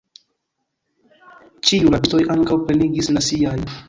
Ĉiuj rabistoj ankaŭ plenigis la siajn.